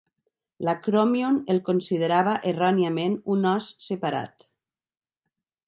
L'acròmion el considerava erròniament un os separat.